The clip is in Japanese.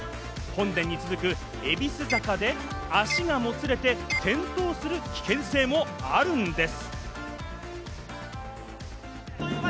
本殿に続くえびす坂で足がもつれて転倒する危険性もあるんです。